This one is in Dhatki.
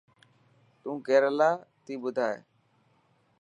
تون ڪيريلا تي ٻڌائي.